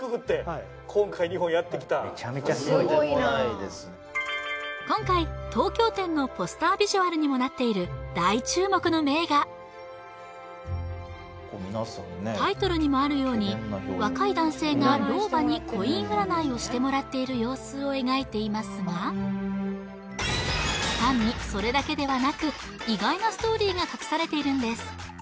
厳しい今回東京展のポスタービジュアルにもなっている大注目の名画タイトルにもあるように若い男性が老婆にコイン占いをしてもらっている様子を描いていますが単にそれだけではなく意外なストーリーが隠されているんです